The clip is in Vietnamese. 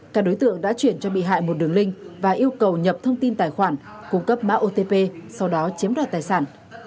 các đối tượng đã chuyển cho bị hại một đường link và yêu cầu nhập thông tin tài khoản cung cấp mã otp sau đó chiếm đoạt tài sản